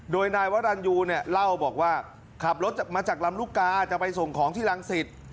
โดยนายวรรณยูเนี่ยเล่าบอกว่าขับรถมาจากลำลูกกาจะไปส่งของที่รังสิต